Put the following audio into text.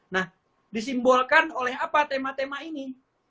nah disimbolkan oleh apa tema tema ini